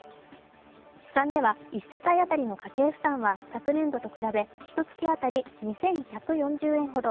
試算では、１世帯当たりの家計負担は昨年度と比べ、ひとつき当たり２１４０円ほど。